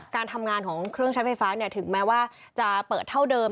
การทำงานของเครื่องใช้ไฟฟ้าถึงแม้ว่าจะเปิดเท่าเดิม